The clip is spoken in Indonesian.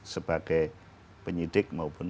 sebagai penyidik maupun